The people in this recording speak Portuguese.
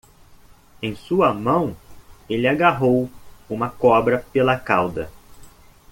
Em sua mão? ele agarrou uma cobra pela cauda.